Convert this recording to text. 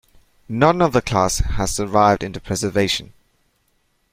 None of the class has survived into preservation.